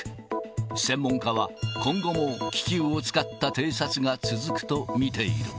専門家は、今後も気球を使った偵察が続くと見ている。